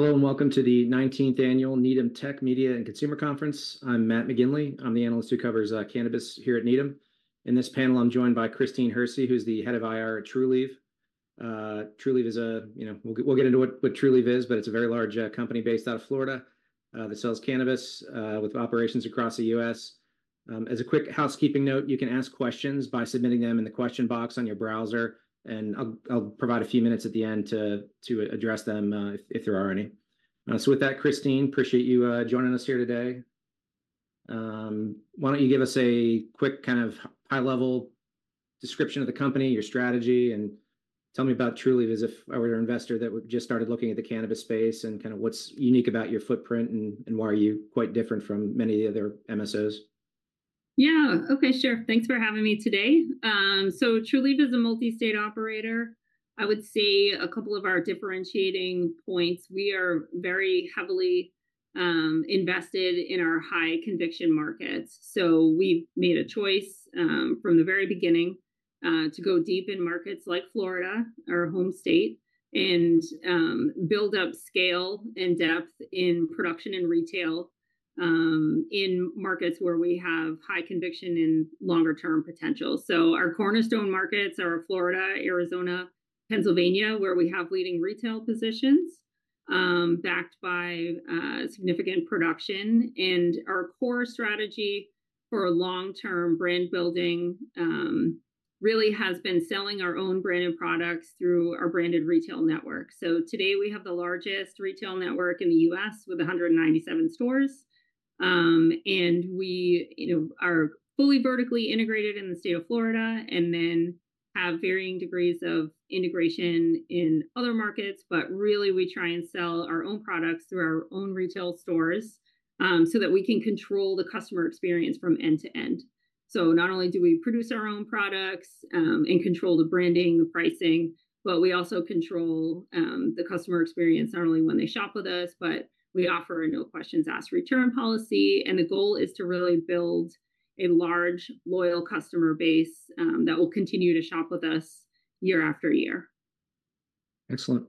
Hello, and welcome to the 19th Annual Needham Tech, Media, and Consumer Conference. I'm Matt McGinley. I'm the analyst who covers cannabis here at Needham. In this panel, I'm joined by Christine Hersey, who's the head of IR at Trulieve. Trulieve is a, you know, we'll get into what Trulieve is, but it's a very large company based out of Florida that sells cannabis with operations across the U.S. As a quick housekeeping note, you can ask questions by submitting them in the question box on your browser, and I'll provide a few minutes at the end to address them if there are any. So with that, Christine, appreciate you joining us here today. Why don't you give us a quick, kind of, high-level description of the company, your strategy, and tell me about Trulieve as if I were an investor that just started looking at the cannabis space, and kind of what's unique about your footprint and, and why are you quite different from many of the other MSOs? Yeah. Okay, sure. Thanks for having me today. So Trulieve is a multi-state operator. I would say a couple of our differentiating points, we are very heavily invested in our high-conviction markets. So we've made a choice, from the very beginning, to go deep in markets like Florida, our home state, and build up scale and depth in production and retail, in markets where we have high conviction and longer-term potential. So our cornerstone markets are Florida, Arizona, Pennsylvania, where we have leading retail positions, backed by significant production. And our core strategy for long-term brand building really has been selling our own branded products through our branded retail network. So today, we have the largest retail network in the U.S., with 197 stores. We, you know, are fully vertically integrated in the state of Florida, and then have varying degrees of integration in other markets. But really, we try and sell our own products through our own retail stores, so that we can control the customer experience from end to end. So not only do we produce our own products, and control the branding, the pricing, but we also control the customer experience, not only when they shop with us, but we offer a no-questions-asked return policy. And the goal is to really build a large, loyal customer base that will continue to shop with us year after year. Excellent.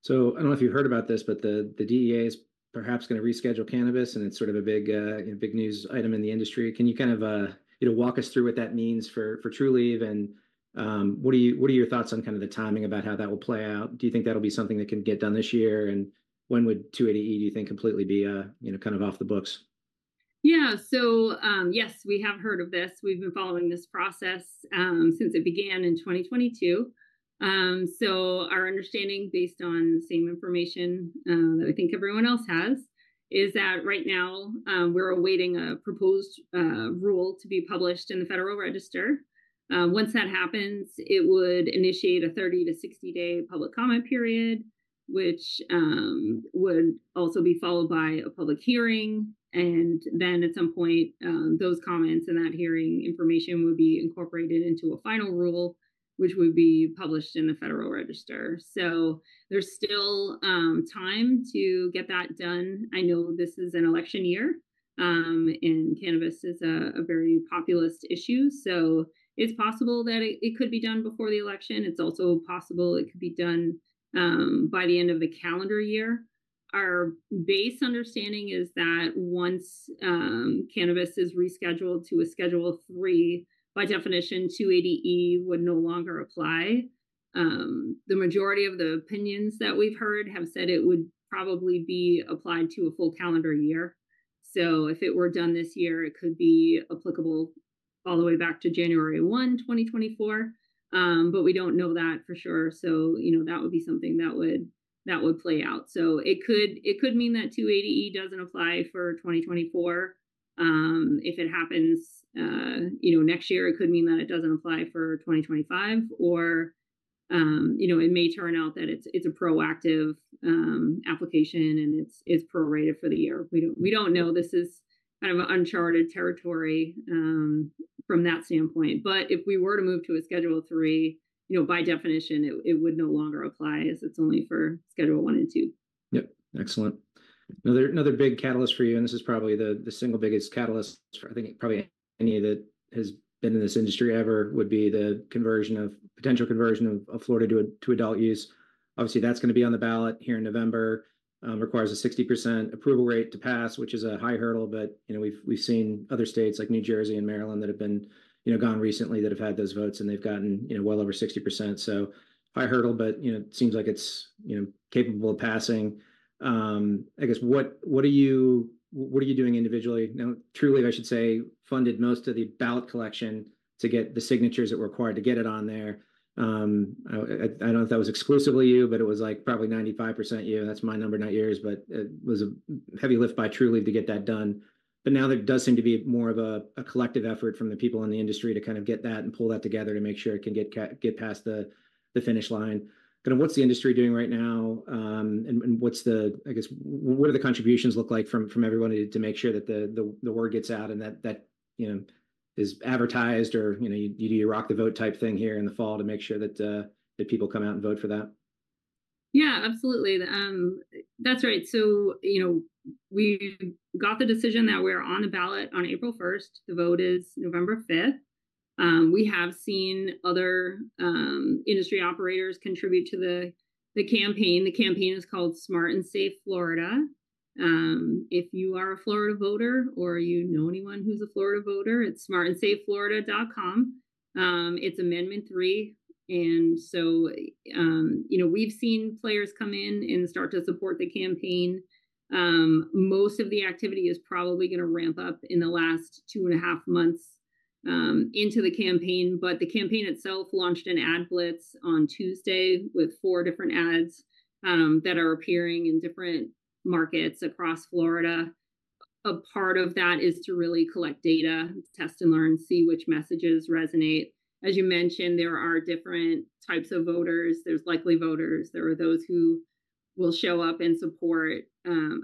So I don't know if you heard about this, but the DEA is perhaps gonna reschedule cannabis, and it's sort of a big, you know, big news item in the industry. Can you kind of, you know, walk us through what that means for Trulieve? And what are your thoughts on kind of the timing about how that will play out? Do you think that'll be something that can get done this year, and when would 280E, do you think, completely be, you know, kind of off the books? Yeah, so yes, we have heard of this. We've been following this process since it began in 2022. So our understanding, based on the same information that I think everyone else has, is that right now, we're awaiting a proposed rule to be published in the Federal Register. Once that happens, it would initiate a 30- to 60-day public comment period, which would also be followed by a public hearing. And then, at some point, those comments and that hearing information would be incorporated into a final rule, which would be published in the Federal Register. So there's still time to get that done. I know this is an election year, and cannabis is a very populist issue, so it's possible that it could be done before the election. It's also possible it could be done by the end of the calendar year. Our base understanding is that once cannabis is rescheduled to a Schedule III, by definition, 280E would no longer apply. The majority of the opinions that we've heard have said it would probably be applied to a full calendar year. So if it were done this year, it could be applicable all the way back to January 1, 2024. But we don't know that for sure, so, you know, that would be something that would, that would play out. So it could, it could mean that 280E doesn't apply for 2024. If it happens, you know, next year, it could mean that it doesn't apply for 2025 or, you know, it may turn out that it's, it's a proactive application, and it's, it's prorated for the year. We don't know. This is kind of an uncharted territory from that standpoint. But if we were to move to a Schedule III, you know, by definition, it would no longer apply, as it's only for Schedule I and II. Yep. Excellent. Another big catalyst for you, and this is probably the single biggest catalyst for, I think, probably any that has been in this industry ever, would be the potential conversion of Florida to adult use. Obviously, that's gonna be on the ballot here in November. Requires a 60% approval rate to pass, which is a high hurdle, but, you know, we've seen other states, like New Jersey and Maryland, that have been, you know, gone recently, that have had those votes, and they've gotten, you know, well over 60%. So high hurdle, but, you know, it seems like it's, you know, capable of passing. I guess, what are you doing individually? Now, Trulieve, I should say, funded most of the ballot collection to get the signatures that were required to get it on there. I don't know if that was exclusively you, but it was, like, probably 95% you. That's my number, not yours, but it was a heavy lift by Trulieve to get that done. But now there does seem to be more of a collective effort from the people in the industry to kind of get that and pull that together to make sure it can get past the finish line. Kind of, what's the industry doing right now, and what's the—I guess, what do the contributions look like from everyone to make sure that the word gets out and that, you know, is advertised or, you know, you do a Rock the Vote type thing here in the fall to make sure that people come out and vote for that? Yeah, absolutely. That's right. So, you know, we got the decision that we're on the ballot on April 1st. The vote is November 5th. We have seen other industry operators contribute to the campaign. The campaign is called Smart and Safe Florida. If you are a Florida voter or you know anyone who's a Florida voter, it's smartandsafeflorida.com. It's Amendment 3, and so, you know, we've seen players come in and start to support the campaign. Most of the activity is probably gonna ramp up in the last two and a half months into the campaign. But the campaign itself launched an ad blitz on Tuesday with four different ads that are appearing in different markets across Florida. A part of that is to really collect data, test and learn, see which messages resonate. As you mentioned, there are different types of voters. There's likely voters, there are those who will show up and support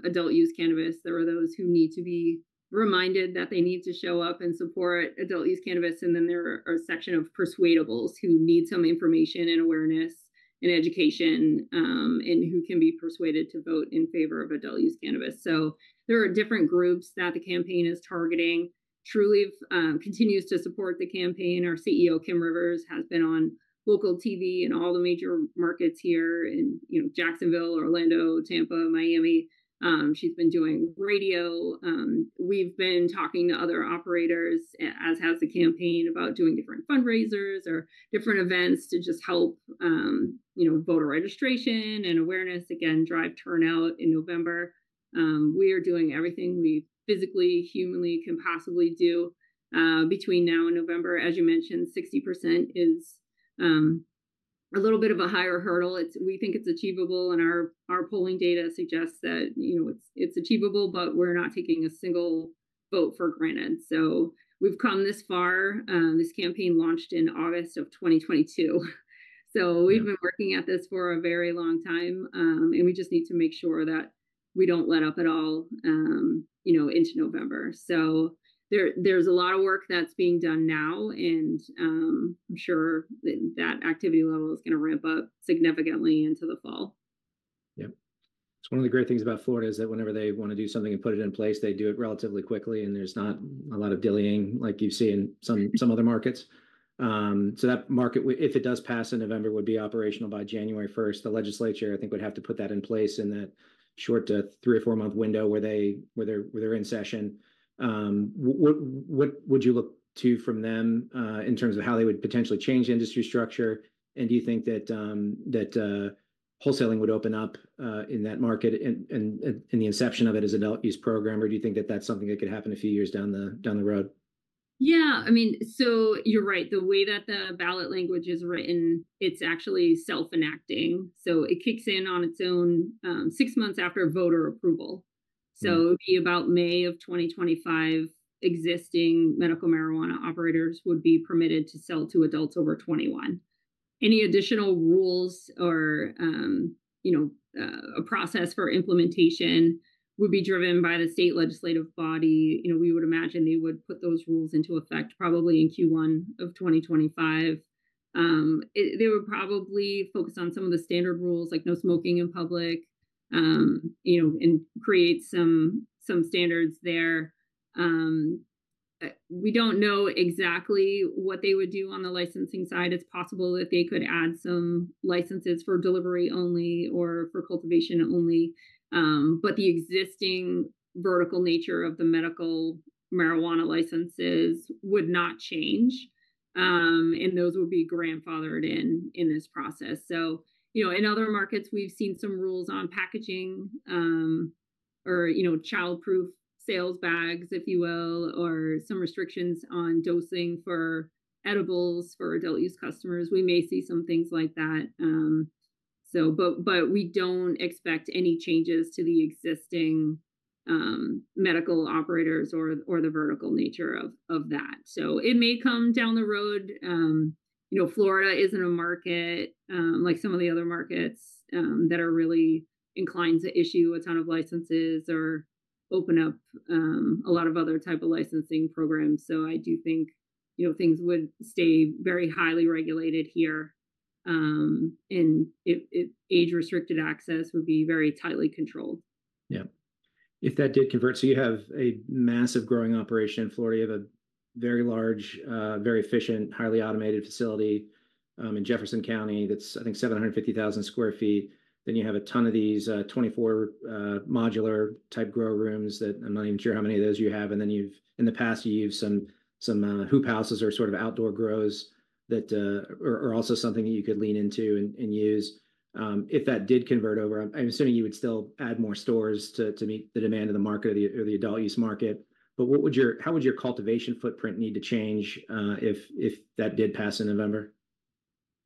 adult-use cannabis. There are those who need to be reminded that they need to show up and support adult-use cannabis, and then there are a section of persuadables who need some information and awareness and education, and who can be persuaded to vote in favor of adult-use cannabis. So there are different groups that the campaign is targeting. Trulieve continues to support the campaign. Our CEO, Kim Rivers, has been on local TV in all the major markets here in, you know, Jacksonville, Orlando, Tampa, Miami. She's been doing radio. We've been talking to other operators, as has the campaign, about doing different fundraisers or different events to just help, you know, voter registration and awareness, again, drive turnout in November. We are doing everything we physically, humanly can possibly do between now and November. As you mentioned, 60% is a little bit of a higher hurdle. It's we think it's achievable, and our polling data suggests that, you know, it's achievable, but we're not taking a single vote for granted. So we've come this far. This campaign launched in August of 2022, so- we've been working at this for a very long time. And we just need to make sure that we don't let up at all, you know, into November. So, there's a lot of work that's being done now, and I'm sure that that activity level is gonna ramp up significantly into the fall. Yep. It's one of the great things about Florida, is that whenever they want to do something and put it in place, they do it relatively quickly, and there's not a lot of dilly-dallying like you see in some other markets. So that market, if it does pass in November, would be operational by January first. The legislature, I think, would have to put that in place in that short three- or four-month window where they're in session. What would you look to from them in terms of how they would potentially change the industry structure? And do you think that wholesaling would open up in that market and in the inception of it as an adult-use program, or do you think that that's something that could happen a few years down the road? Yeah, I mean. So you're right. The way that the ballot language is written, it's actually self-enacting, so it kicks in on its own, six months after voter approval. So it'd be about May of 2025, existing medical marijuana operators would be permitted to sell to adults over 21. Any additional rules or, you know, a process for implementation would be driven by the state legislative body. You know, we would imagine they would put those rules into effect probably in Q1 of 2025. They would probably focus on some of the standard rules, like no smoking in public, you know, and create some standards there. We don't know exactly what they would do on the licensing side. It's possible that they could add some licenses for delivery only or for cultivation only. But the existing vertical nature of the medical marijuana licenses would not change, and those would be grandfathered in, in this process. So, you know, in other markets, we've seen some rules on packaging, or, you know, child-proof sales bags, if you will, or some restrictions on dosing for edibles for adult-use customers. We may see some things like that, so. But we don't expect any changes to the existing medical operators or the vertical nature of that. So it may come down the road. You know, Florida isn't a market like some of the other markets that are really inclined to issue a ton of licenses or open up a lot of other type of licensing programs. So I do think, you know, things would stay very highly regulated here, and it, age-restricted access would be very tightly controlled. Yep. If that did convert, so you have a massive growing operation in Florida. You have a very large, very efficient, highly automated facility in Jefferson County that's, I think, 750,000 sq ft. Then you have a ton of these 24 modular-type grow rooms that I'm not even sure how many of those you have. And then in the past, you've some hoop houses or sort of outdoor grows that are also something that you could lean into and use. If that did convert over, I'm assuming you would still add more stores to meet the demand of the market or the adult-use market. But how would your cultivation footprint need to change if that did pass in November?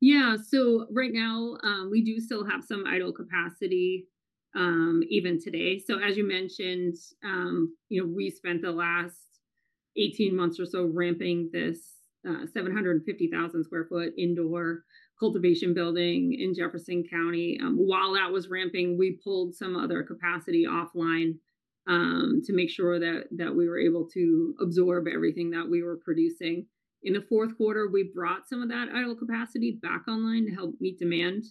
Yeah. So right now, we do still have some idle capacity, even today. So, as you mentioned, you know, we spent the last 18 months or so ramping this, 750,000 sq ft indoor cultivation building in Jefferson County. While that was ramping, we pulled some other capacity offline, to make sure that we were able to absorb everything that we were producing. In the fourth quarter, we brought some of that idle capacity back online to help meet demand,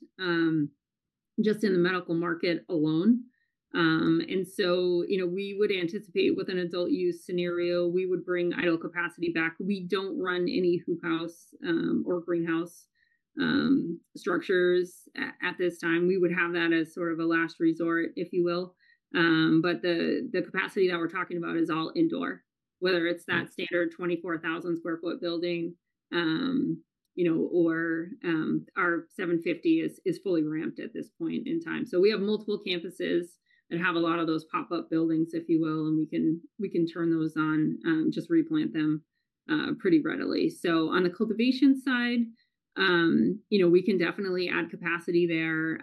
just in the medical market alone. And so, you know, we would anticipate with an adult use scenario, we would bring idle capacity back. We don't run any hoop house, or greenhouse, structures at this time. We would have that as sort of a last resort, if you will. But the capacity that we're talking about is all indoor, whether it's that standard 24,000 sq ft building, you know, or our 750 is fully ramped at this point in time. So we have multiple campuses that have a lot of those pop-up buildings, if you will, and we can turn those on, just replant them, pretty readily. So on the cultivation side, you know, we can definitely add capacity there,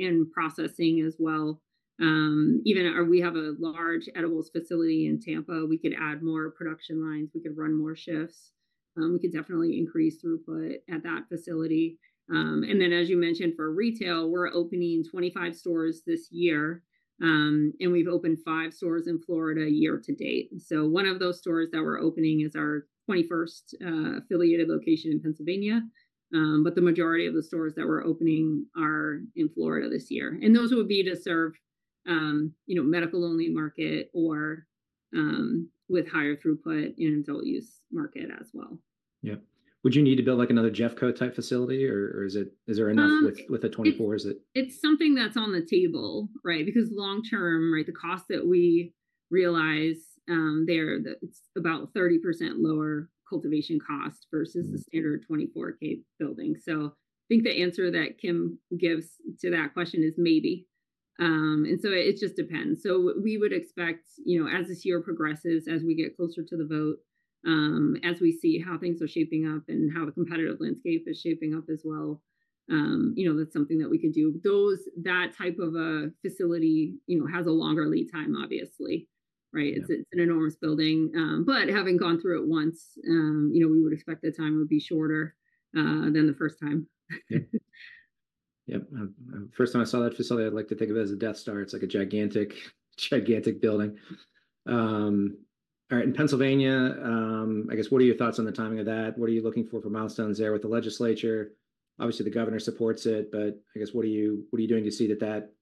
and processing as well. We have a large edibles facility in Tampa. We could add more production lines. We could run more shifts. We could definitely increase throughput at that facility. And then, as you mentioned, for retail, we're opening 25 stores this year, and we've opened five stores in Florida year to date. So one of those stores that we're opening is our 21st affiliated location in Pennsylvania. The majority of the stores that we're opening are in Florida this year, and those would be to serve, you know, medical-only market or, with higher throughput in adult-use market as well. Yeah. Would you need to build, like, another Jeffco type facility, or, or is it- is there enough- Um with a 24, is it? It's something that's on the table, right? Because long term, right, the cost that we realize, there, that it's about 30% lower cultivation cost versus- the standard 24K building. So I think the answer that Kim gives to that question is maybe. And so it just depends. So we would expect, you know, as this year progresses, as we get closer to the vote, as we see how things are shaping up and how the competitive landscape is shaping up as well, you know, that's something that we could do. That type of a facility, you know, has a longer lead time, obviously, right? It's an enormous building. But having gone through it once, you know, we would expect the time would be shorter than the first time. Yep, first time I saw that facility, I'd like to think of it as a Death Star. It's like a gigantic, gigantic building. All right, in Pennsylvania, I guess, what are your thoughts on the timing of that? What are you looking for for milestones there with the legislature? Obviously, the governor supports it, but I guess, what are you, what are you doing to see that that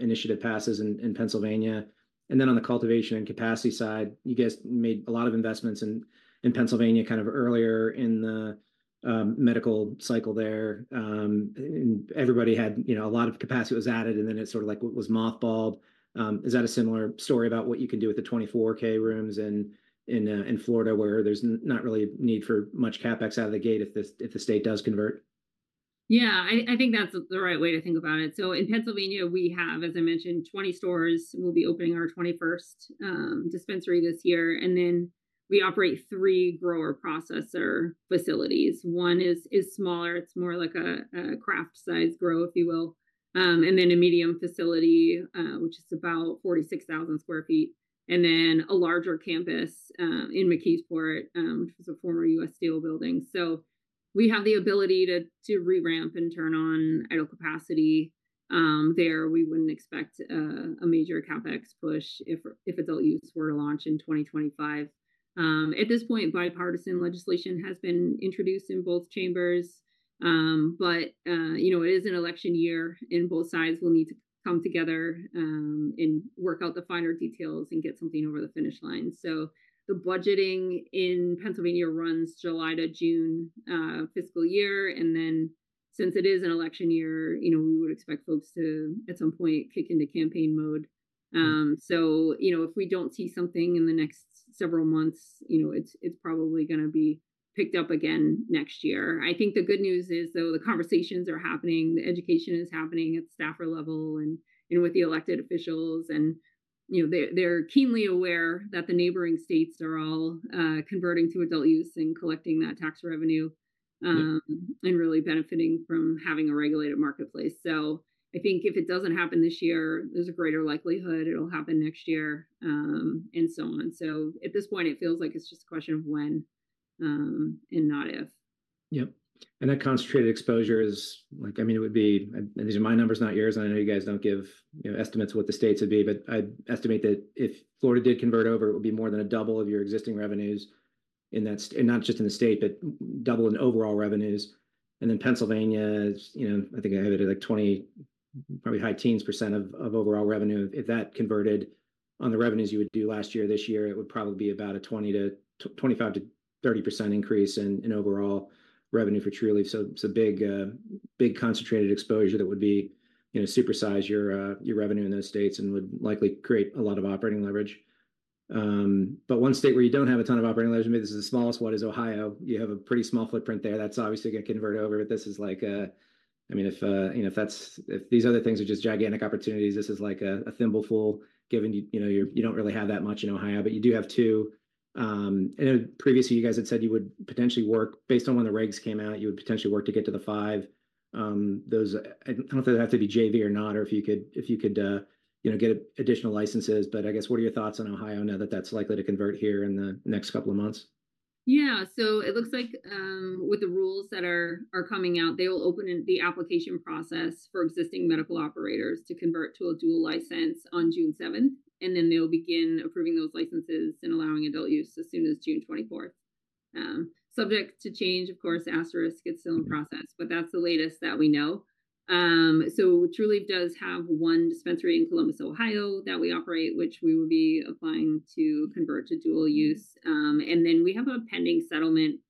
initiative passes in Pennsylvania? And then on the cultivation and capacity side, you guys made a lot of investments in Pennsylvania, kind of earlier in the medical cycle there. And everybody had, you know, a lot of capacity was added, and then it sort of, like, was mothballed. Is that a similar story about what you can do with the 24K rooms in Florida, where there's not really a need for much CapEx out of the gate if the state does convert? Yeah, I think that's the right way to think about it. So in Pennsylvania, we have, as I mentioned, 20 stores. We'll be opening our 21st dispensary this year, and then we operate three grower-processor facilities. One is smaller; it's more like a craft-sized grower, if you will. And then a medium facility, which is about 46,000 sq ft, and then a larger campus in McKeesport, which is a former U.S. Steel building. So we have the ability to re-ramp and turn on idle capacity there. We wouldn't expect a major CapEx push if adult use were to launch in 2025. At this point, bipartisan legislation has been introduced in both chambers. But, you know, it is an election year, and both sides will need to come together, and work out the finer details and get something over the finish line. So the budgeting in Pennsylvania runs July to June, fiscal year, and then since it is an election year, you know, we would expect folks to, at some point, kick into campaign mode. So, you know, if we don't see something in the next several months, you know, it's probably gonna be picked up again next year. I think the good news is, though, the conversations are happening, the education is happening at staffer level and, you know, with the elected officials, and, you know, they're keenly aware that the neighboring states are all converting to adult use and collecting that tax revenue- and really benefiting from having a regulated marketplace. So I think if it doesn't happen this year, there's a greater likelihood it'll happen next year, and so on. So at this point, it feels like it's just a question of when, and not if. Yep, and that concentrated exposure is like... I mean, it would be, and these are my numbers, not yours, and I know you guys don't give, you know, estimates of what the states would be, but I'd estimate that if Florida did convert over, it would be more than a double of your existing revenues in that- and not just in the state, but double in overall revenues. And then Pennsylvania is, you know, I think I had it at, like, 20, probably high teens% of, of overall revenue. If that converted on the revenues you would do last year, this year, it would probably be about a 20 to 25 to 30% increase in, in overall revenue for Trulieve. So it's a big, big, concentrated exposure that would be, you know, supersize your, your revenue in those states and would likely create a lot of operating leverage. But one state where you don't have a ton of operating leverage, maybe this is the smallest one, is Ohio. You have a pretty small footprint there. That's obviously gonna convert over, but this is like... I mean, if, you know, if that's- if these other things are just gigantic opportunities, this is like a, a thimble full, given you, you know, you, you don't really have that much in Ohio, but you do have two. And previously, you guys had said you would potentially work- based on when the regs came out, you would potentially work to get to the five. Those, I don't know if they have to be JV or not, or if you could, you know, get additional licenses, but I guess, what are your thoughts on Ohio now that that's likely to convert here in the next couple of months? Yeah. So it looks like, with the rules that are coming out, they will open in the application process for existing medical operators to convert to a dual license on June seventh, and then they'll begin approving those licenses and allowing adult use as soon as June twenty-fourth. Subject to change, of course, asterisk, it's still in process, but that's the latest that we know. So Trulieve does have one dispensary in Columbus, Ohio, that we operate, which we will be applying to convert to dual use. And then we have a pending settlement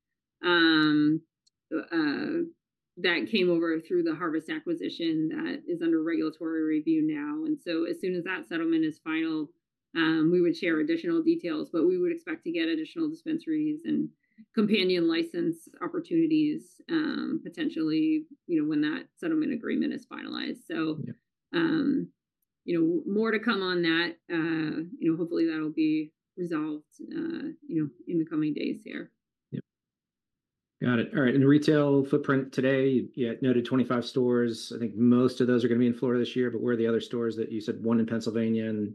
that came over through the Harvest acquisition that is under regulatory review now. And so as soon as that settlement is final, we would share additional details, but we would expect to get additional dispensaries and companion license opportunities, potentially, you know, when that settlement agreement is finalized. So- you know, more to come on that. You know, hopefully, that'll be resolved, you know, in the coming days here. Yep. Got it. All right, in the retail footprint today, you had noted 25 stores. I think most of those are gonna be in Florida this year, but what are the other stores that you said, one in Pennsylvania and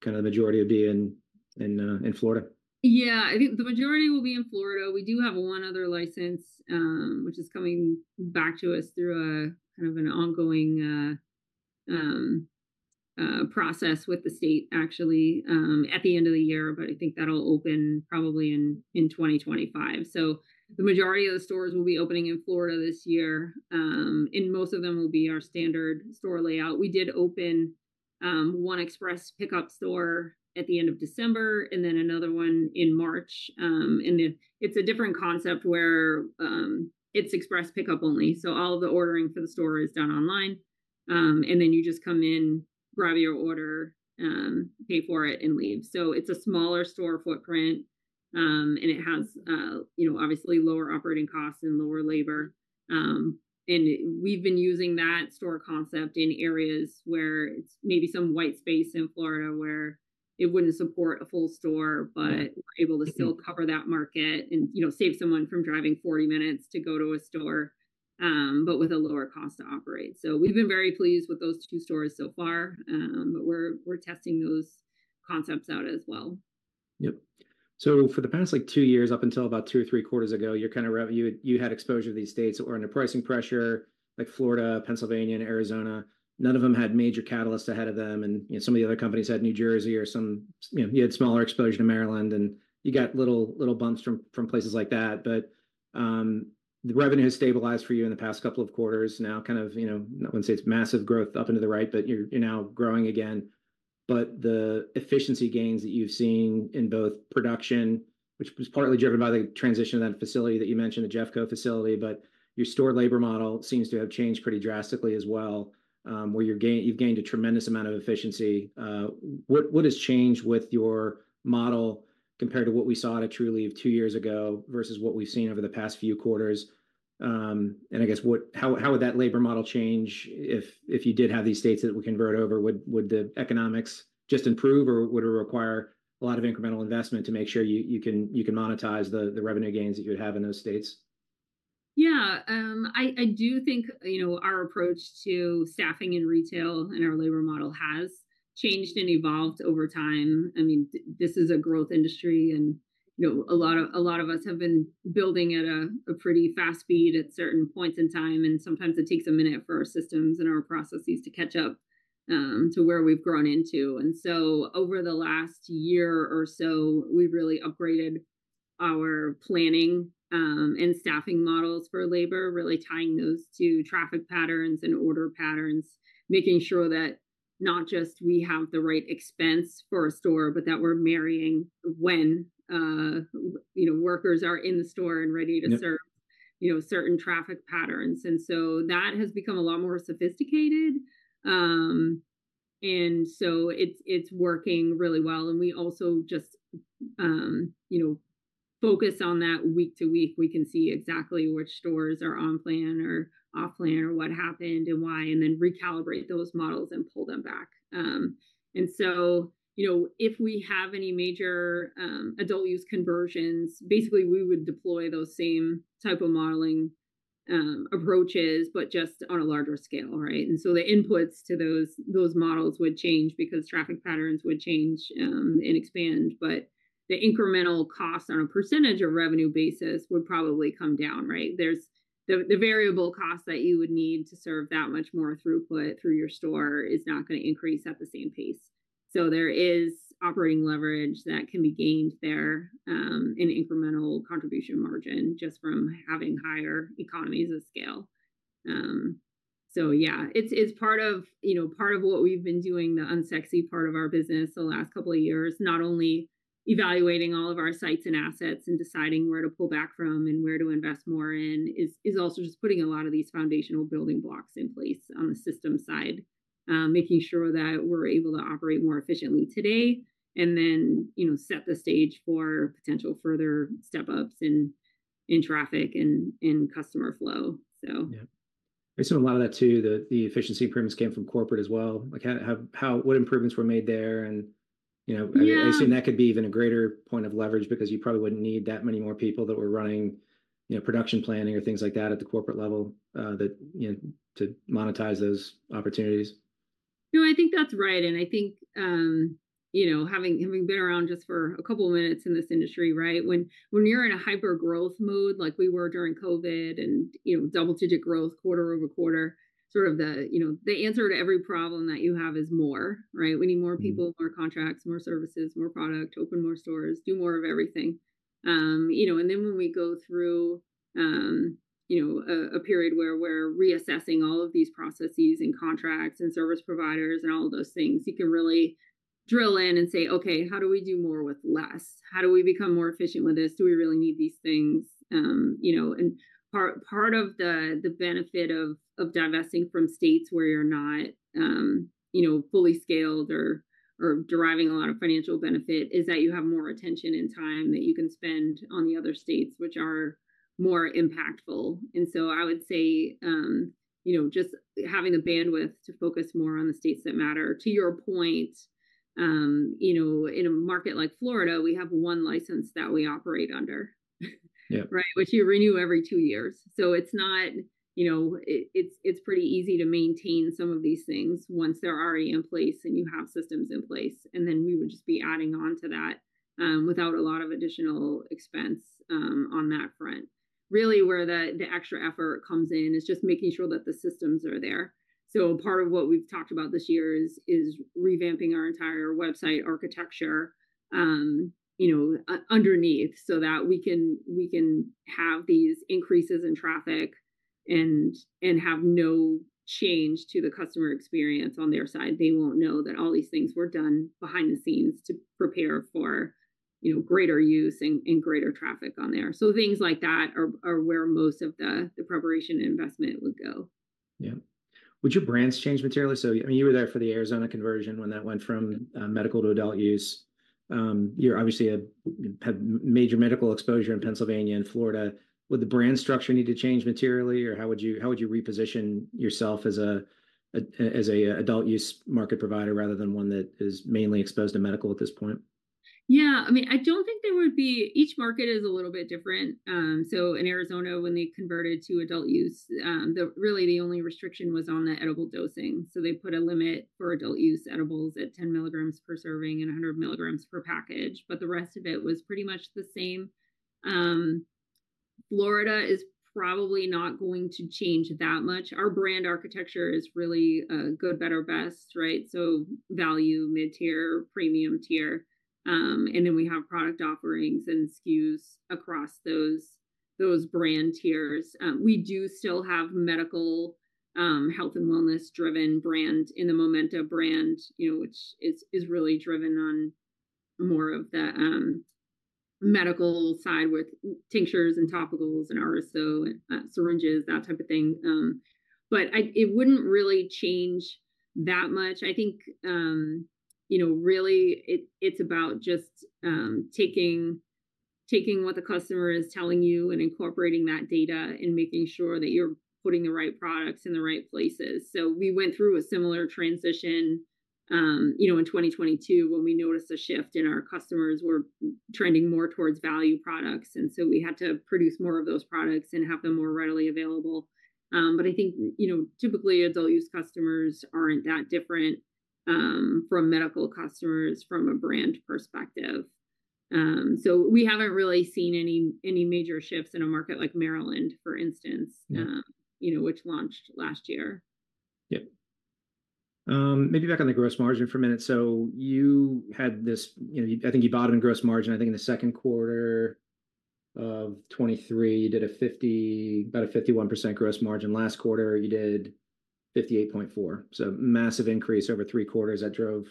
kind of the majority would be in Florida? Yeah, I think the majority will be in Florida. We do have one other license, which is coming back to us through a kind of an ongoing process with the state, actually, at the end of the year, but I think that'll open probably in 2025. So the majority of the stores will be opening in Florida this year, and most of them will be our standard store layout. We did open one express pickup store at the end of December, and then another one in March. And it's a different concept where it's express pickup only, so all the ordering for the store is done online. And then you just come in, grab your order, pay for it, and leave. So it's a smaller store footprint, and it has, you know, obviously lower operating costs and lower labor. And we've been using that store concept in areas where it's maybe some white space in Florida where it wouldn't support a full store, but we're able to still cover that market and, you know, save someone from driving 40 minutes to go to a store, but with a lower cost to operate. So we've been very pleased with those two stores so far. But we're testing those concepts out as well. Yep. So for the past, like, two years, up until about two or three quarters ago, your kind of you had, you had exposure to these states that were under pricing pressure, like Florida, Pennsylvania, and Arizona. None of them had major catalysts ahead of them, and, you know, some of the other companies had New Jersey or some. You know, you had smaller exposure to Maryland, and you got little, little bumps from places like that. But, the revenue has stabilized for you in the past couple of quarters. Now, kind of, you know, I wouldn't say it's massive growth up and to the right, but you're, you're now growing again. But the efficiency gains that you've seen in both production, which was partly driven by the transition of that facility that you mentioned, the Jeffco facility, but your store labor model seems to have changed pretty drastically as well, where you've gained a tremendous amount of efficiency. What has changed with your model compared to what we saw at Trulieve two years ago versus what we've seen over the past few quarters? And I guess, how would that labor model change if you did have these states that would convert over? Would the economics just improve, or would it require a lot of incremental investment to make sure you can monetize the revenue gains that you would have in those states? Yeah. I do think, you know, our approach to staffing in retail and our labor model has changed and evolved over time. I mean, this is a growth industry, and, you know, a lot of, a lot of us have been building at a pretty fast speed at certain points in time, and sometimes it takes a minute for our systems and our processes to catch up to where we've grown into. And so over the last year or so, we've really upgraded our planning and staffing models for labor, really tying those to traffic patterns and order patterns, making sure that not just we have the right expense for a store, but that we're marrying when, you know, workers are in the store and ready to- Yep serve, you know, certain traffic patterns. And so that has become a lot more sophisticated. And so it's working really well, and we also just, you know, focus on that week to week. We can see exactly which stores are on plan or off plan, or what happened and why, and then recalibrate those models and pull them back. And so, you know, if we have any major adult use conversions, basically, we would deploy those same type of modeling approaches, but just on a larger scale, right? And so the inputs to those models would change because traffic patterns would change and expand, but the incremental cost on a percentage of revenue basis would probably come down, right? The variable cost that you would need to serve that much more throughput through your store is not gonna increase at the same pace. So there is operating leverage that can be gained there, in incremental contribution margin, just from having higher economies of scale. So yeah, it's part of, you know, part of what we've been doing, the unsexy part of our business the last couple of years, not only evaluating all of our sites and assets and deciding where to pull back from and where to invest more in, is also just putting a lot of these foundational building blocks in place on the system side, making sure that we're able to operate more efficiently today, and then, you know, set the stage for potential further step-ups in traffic and in customer flow, so. Yeah. I saw a lot of that, too, the efficiency improvements came from corporate as well. Like, what improvements were made there? And, you know- Yeah I assume that could be even a greater point of leverage because you probably wouldn't need that many more people that were running, you know, production planning or things like that at the corporate level, that, you know, to monetize those opportunities. No, I think that's right, and I think, you know, having been around just for a couple of minutes in this industry, right? When you're in a hyper growth mode, like we were during COVID, and, you know, double-digit growth quarter-over-quarter, sort of the, you know, the answer to every problem that you have is more, right? We need more people, more contracts, more services, more product, open more stores, do more of everything. You know, and then when we go through, you know, a period where we're reassessing all of these processes and contracts and service providers and all of those things, you can really drill in and say, "Okay, how do we do more with less? How do we become more efficient with this? Do we really need these things?" You know, and part of the benefit of divesting from states where you're not, you know, fully scaled or deriving a lot of financial benefit, is that you have more attention and time that you can spend on the other states, which are more impactful. And so I would say, you know, just having the bandwidth to focus more on the states that matter. To your point, you know, in a market like Florida, we have one license that we operate under. Yeah. right? Which you renew every two years. So it's not, you know. It's pretty easy to maintain some of these things once they're already in place and you have systems in place, and then we would just be adding on to that, without a lot of additional expense, on that front. Really, where the extra effort comes in is just making sure that the systems are there. So part of what we've talked about this year is revamping our entire website architecture, you know, underneath, so that we can have these increases in traffic and have no change to the customer experience on their side. They won't know that all these things were done behind the scenes to prepare for, you know, greater use and greater traffic on there. Things like that are where most of the preparation investment would go. Yeah. Would your brands change materially? So, I mean, you were there for the Arizona conversion when that went from medical to adult use. You're obviously have major medical exposure in Pennsylvania and Florida. Would the brand structure need to change materially, or how would you reposition yourself as a adult use market provider rather than one that is mainly exposed to medical at this point? Yeah, I mean, I don't think there would be. Each market is a little bit different. So in Arizona, when they converted to adult use, really the only restriction was on the edible dosing. So they put a limit for adult-use edibles at 10 milligrams per serving and 100 milligrams per package, but the rest of it was pretty much the same. Florida is probably not going to change that much. Our brand architecture is really good, better, best, right? So value, mid-tier, premium tier. And then we have product offerings and SKUs across those, those brand tiers. We do still have medical, health and wellness-driven brand in the Momenta brand, you know, which is really driven on more of the medical side with tinctures and topicals and RSO syringes, that type of thing. But it wouldn't really change that much. I think, you know, really it, it's about just, taking what the customer is telling you and incorporating that data and making sure that you're putting the right products in the right places. So we went through a similar transition, you know, in 2022, when we noticed a shift in our customers were trending more towards value products. And so we had to produce more of those products and have them more readily available. But I think, you know, typically, adult-use customers aren't that different, from medical customers from a brand perspective. So we haven't really seen any major shifts in a market like Maryland, for instance- Yeah you know, which launched last year. Yeah. Maybe back on the gross margin for a minute. So you had this, you know, I think you bottomed in gross margin, I think in the second quarter of 2023. You did about a 51% gross margin. Last quarter, you did 58.4, so massive increase over three quarters that drove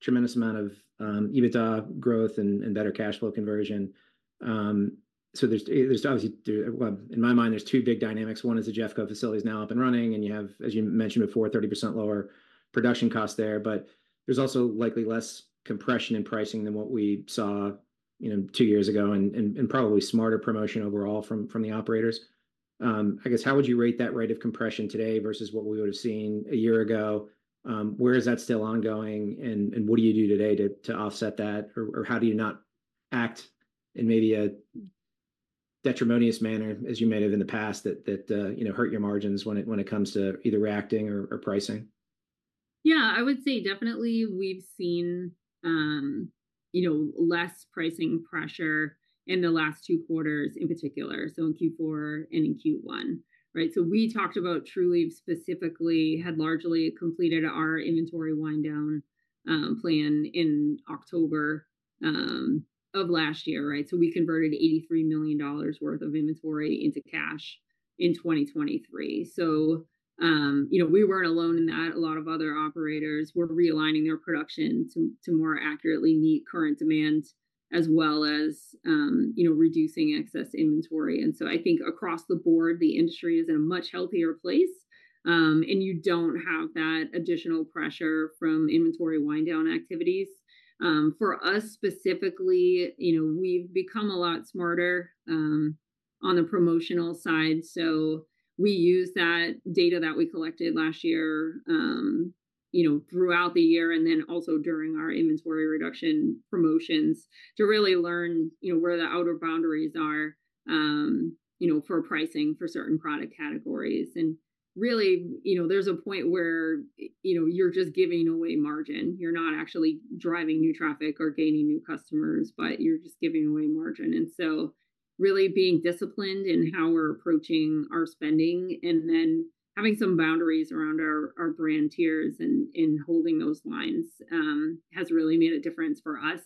tremendous amount of EBITDA growth and better cash flow conversion. So there's obviously well, in my mind, there's two big dynamics. One is the Jeffco facility is now up and running, and you have, as you mentioned before, 30% lower production costs there, but there's also likely less compression in pricing than what we saw, you know, two years ago, and probably smarter promotion overall from the operators. I guess, how would you rate that rate of compression today versus what we would have seen a year ago? Where is that still ongoing, and what do you do today to offset that? Or how do you not act in maybe a detrimental manner, as you may have in the past, that you know, hurt your margins when it comes to either reacting or pricing? Yeah, I would say definitely we've seen, you know, less pricing pressure in the last two quarters, in particular, so in Q4 and in Q1, right? So we talked about Trulieve specifically, had largely completed our inventory wind down plan in October of last year, right? So we converted $83 million worth of inventory into cash in 2023. So, you know, we weren't alone in that. A lot of other operators were realigning their production to more accurately meet current demand, as well as, you know, reducing excess inventory. And so I think across the board, the industry is in a much healthier place, and you don't have that additional pressure from inventory wind down activities. For us specifically, you know, we've become a lot smarter on the promotional side. So we used that data that we collected last year, you know, throughout the year, and then also during our inventory reduction promotions, to really learn, you know, where the outer boundaries are, you know, for pricing for certain product categories. And really, you know, there's a point where, you know, you're just giving away margin. You're not actually driving new traffic or gaining new customers, but you're just giving away margin. And so really being disciplined in how we're approaching our spending, and then having some boundaries around our brand tiers and holding those lines, has really made a difference for us.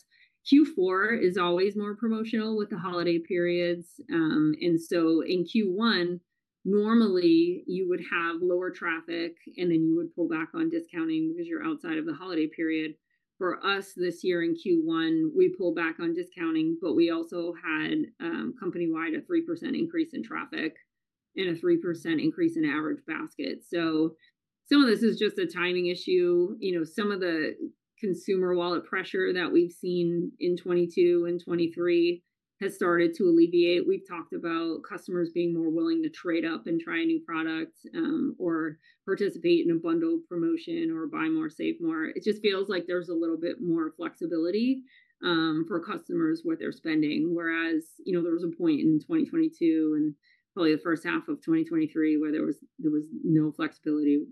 Q4 is always more promotional with the holiday periods. And so in Q1, normally you would have lower traffic, and then you would pull back on discounting because you're outside of the holiday period. For us, this year in Q1, we pulled back on discounting, but we also had, company-wide, a 3% increase in traffic and a 3% increase in average basket. So some of this is just a timing issue. You know, some of the consumer wallet pressure that we've seen in 2022 and 2023 has started to alleviate. We've talked about customers being more willing to trade up and try a new product, or participate in a bundled promotion or buy more, save more. It just feels like there's a little bit more flexibility, for customers, what they're spending. Whereas, you know, there was a point in 2022 and probably the first half of 2023 where there was no flexibility,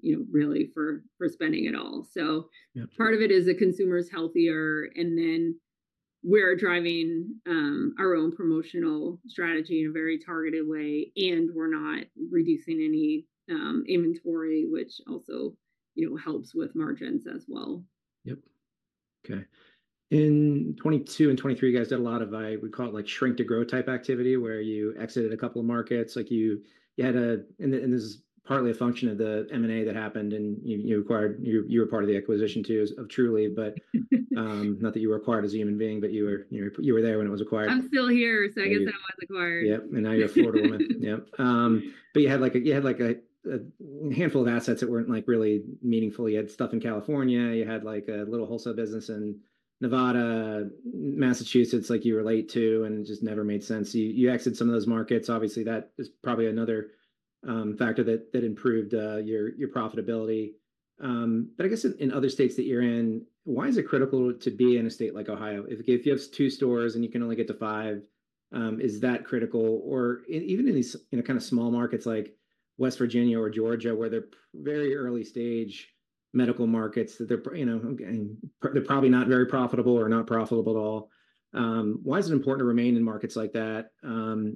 you know, really for spending at all. So- Yeah. Part of it is the consumer's healthier, and then we're driving our own promotional strategy in a very targeted way, and we're not reducing any inventory, which also, you know, helps with margins as well. Yep. Okay. In 2022 and 2023, you guys did a lot of, I would call it, like shrink to grow type activity, where you exited a couple of markets. Like, you had a. And this is partly a function of the M&A that happened, and you were part of the acquisition, too, of Trulieve. But not that you were acquired as a human being, but you were there when it was acquired. I'm still here, so I guess I was acquired. Yep, and now you're a Florida woman. Yep. But you had like a handful of assets that weren't, like, really meaningful. You had stuff in California. You had, like, a little wholesale business in Nevada. Massachusetts, like, you relate to, and it just never made sense. You exited some of those markets. Obviously, that is probably another factor that improved your profitability. But I guess in other states that you're in, why is it critical to be in a state like Ohio? If you have two stores, and you can only get to five, is that critical? Even in these, you know, kind of small markets like West Virginia or Georgia, where they're very early stage medical markets, that they're, you know, they're probably not very profitable or not profitable at all, why is it important to remain in markets like that?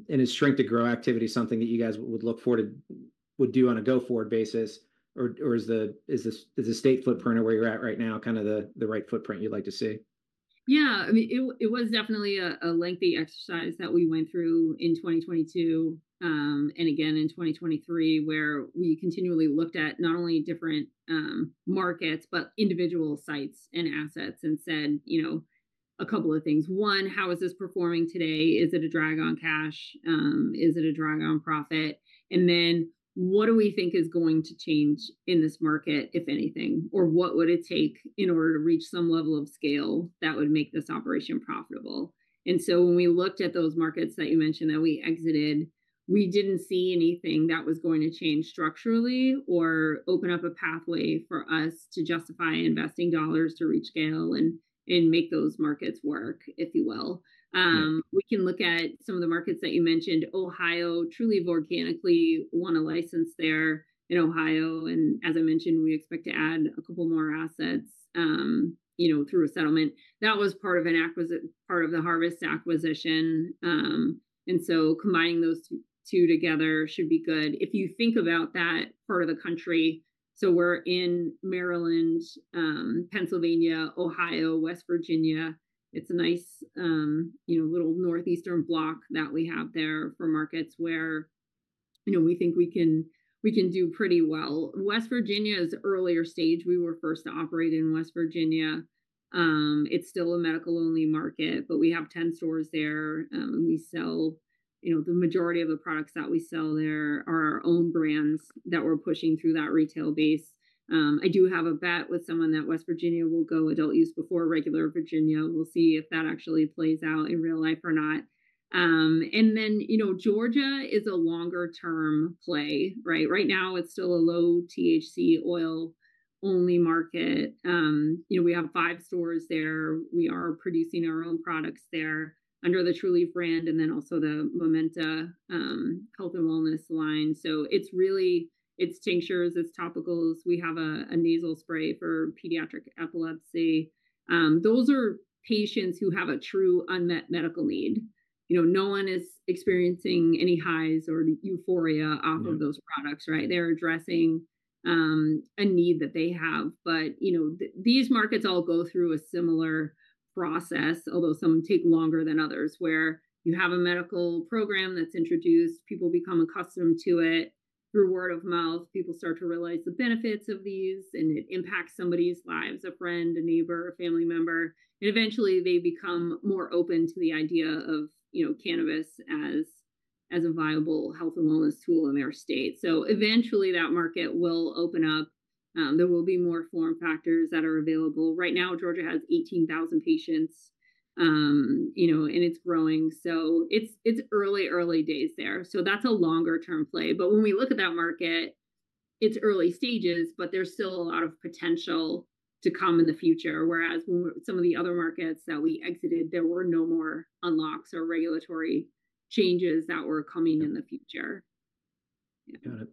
Is shrink to grow activity something that you guys would do on a go-forward basis, or is the state footprint of where you're at right now kind of the right footprint you'd like to see? Yeah, I mean, it was definitely a lengthy exercise that we went through in 2022, and again in 2023, where we continually looked at not only different markets, but individual sites and assets, and said, you know, a couple of things. One, how is this performing today? Is it a drag on cash? Is it a drag on profit? And then, what do we think is going to change in this market, if anything? Or what would it take in order to reach some level of scale that would make this operation profitable? And so when we looked at those markets that you mentioned that we exited, we didn't see anything that was going to change structurally or open up a pathway for us to justify investing dollars to reach scale and make those markets work, if you will. We can look at some of the markets that you mentioned. Ohio, Trulieve organically won a license there in Ohio, and as I mentioned, we expect to add a couple more assets, you know, through a settlement. That was part of the Harvest acquisition. And so combining those two together should be good. If you think about that part of the country, so we're in Maryland, Pennsylvania, Ohio, West Virginia. It's a nice, you know, little northeastern block that we have there for markets where, you know, we think we can do pretty well. West Virginia is earlier stage. We were first to operate in West Virginia. It's still a medical-only market, but we have 10 stores there. We sell—you know, the majority of the products that we sell there are our own brands that we're pushing through that retail base. I do have a bet with someone that West Virginia will go adult-use before regular Virginia. We'll see if that actually plays out in real life or not. And then, you know, Georgia is a longer-term play, right? Right now, it's still a low-THC, oil-only market. You know, we have five stores there. We are producing our own products there under the Trulieve brand, and then also the Momenta health and wellness line. So it's really—it's tinctures, it's topicals. We have a nasal spray for pediatric epilepsy. Those are patients who have a true unmet medical need. You know, no one is experiencing any highs or euphoria. off of those products, right? They're addressing a need that they have. But, you know, these markets all go through a similar process, although some take longer than others, where you have a medical program that's introduced, people become accustomed to it. Through word of mouth, people start to realize the benefits of these, and it impacts somebody's lives, a friend, a neighbor, a family member. And eventually, they become more open to the idea of, you know, cannabis as, as a viable health and wellness tool in their state. So eventually, that market will open up, there will be more form factors that are available. Right now, Georgia has 18,000 patients, you know, and it's growing, so it's, it's early, early days there. So that's a longer-term play. But when we look at that market, it's early stages, but there's still a lot of potential to come in the future, whereas when we, some of the other markets that we exited, there were no more unlocks or regulatory changes that were coming in the future. Yeah. Got it.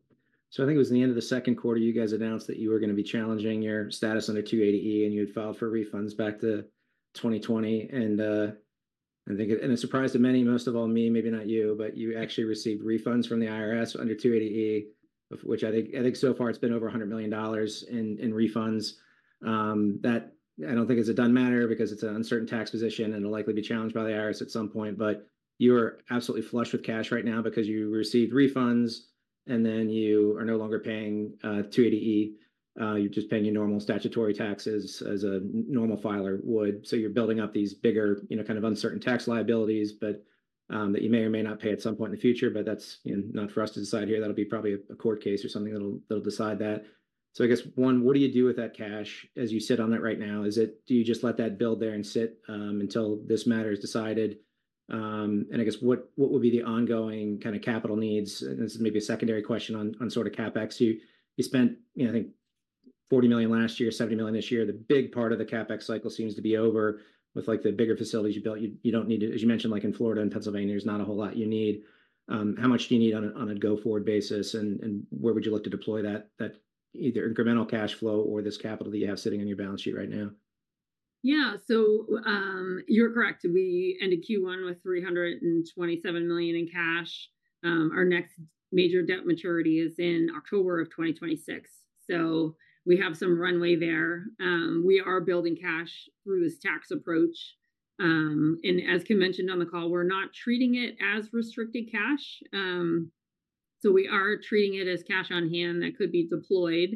So I think it was the end of the second quarter, you guys announced that you were gonna be challenging your status under 280E, and you had filed for refunds back to 2020. And I think and a surprise to many, most of all me, maybe not you, but you actually received refunds from the IRS under 280E, of which I think so far it's been over $100 million in refunds. That I don't think is a done matter because it's an uncertain tax position and will likely be challenged by the IRS at some point. But you're absolutely flush with cash right now because you received refunds, and then you are no longer paying 280E. You're just paying your normal statutory taxes as a normal filer would. So you're building up these bigger, you know, kind of uncertain tax liabilities, but, that you may or may not pay at some point in the future, but that's, you know, not for us to decide here. That'll be probably a court case or something that'll, that'll decide that. So I guess, one, what do you do with that cash as you sit on it right now? Is it-- do you just let that build there and sit, until this matter is decided? And I guess, what, what would be the ongoing kind of capital needs? And this is maybe a secondary question on, on sort of CapEx. You, you spent, you know, I think, $40 million last year, $70 million this year. The big part of the CapEx cycle seems to be over with, like, the bigger facilities you built. You, you don't need to... As you mentioned, like in Florida and Pennsylvania, there's not a whole lot you need. How much do you need on a go-forward basis, and where would you look to deploy that either incremental cash flow or this capital that you have sitting on your balance sheet right now? Yeah. So, you're correct. We ended Q1 with $327 million in cash. Our next major debt maturity is in October 2026, so we have some runway there. We are building cash through this tax approach. And as Kim mentioned on the call, we're not treating it as restricted cash, so we are treating it as cash on hand that could be deployed.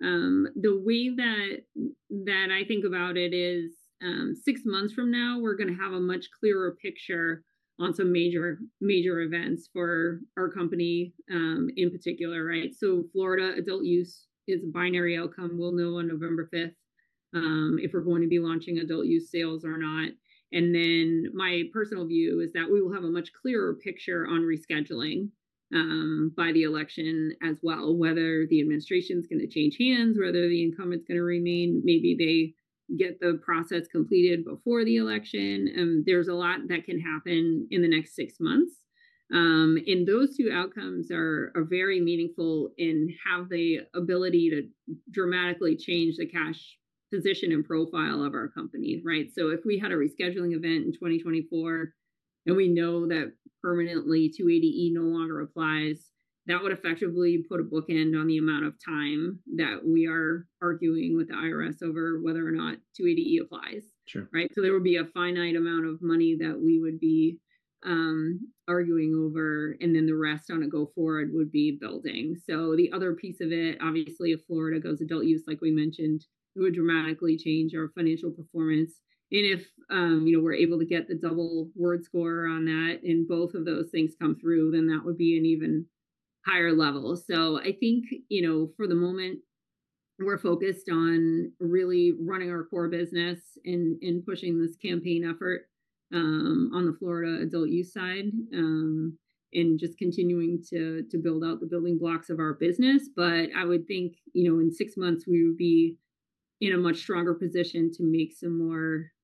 The way that I think about it is, six months from now, we're gonna have a much clearer picture on some major, major events for our company, in particular, right? So Florida adult-use is a binary outcome. We'll know on November fifth if we're going to be launching adult-use sales or not. Then my personal view is that we will have a much clearer picture on rescheduling by the election as well, whether the administration's gonna change hands, whether the incumbent's gonna remain. Maybe they get the process completed before the election, there's a lot that can happen in the next six months. And those two outcomes are very meaningful and have the ability to dramatically change the cash position and profile of our company, right? So if we had a rescheduling event in 2024, and we know that permanently 280E no longer applies, that would effectively put a bookend on the amount of time that we are arguing with the IRS over whether or not 280E applies. Sure. Right? So there would be a finite amount of money that we would be arguing over, and then the rest on a go forward would be building. So the other piece of it, obviously, if Florida goes adult use, like we mentioned, it would dramatically change our financial performance. And if, you know, we're able to get the double word score on that, and both of those things come through, then that would be an even higher level. So I think, you know, for the moment, we're focused on really running our core business and pushing this campaign effort on the Florida adult use side, and just continuing to build out the building blocks of our business. But I would think, you know, in six months we would be in a much stronger position to make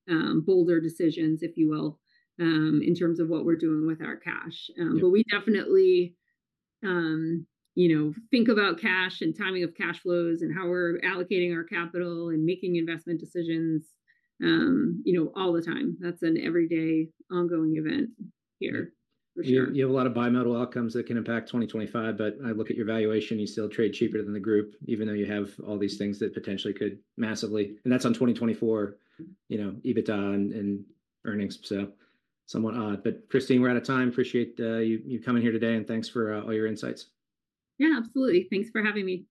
some more, bolder decisions, if you will, in terms of what we're doing with our cash. But we definitely, you know, think about cash and timing of cash flows and how we're allocating our capital and making investment decisions, you know, all the time. That's an everyday ongoing event here, for sure. You, you have a lot of bimodal outcomes that can impact 2025, but I look at your valuation, you still trade cheaper than the group, even though you have all these things that potentially could massively... And that's on 2024, you know, EBITDA and earnings. So somewhat odd. But Christine, we're out of time. Appreciate you coming here today, and thanks for all your insights. Yeah, absolutely. Thanks for having me.